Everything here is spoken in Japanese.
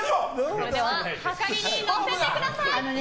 それでははかりに載せてください。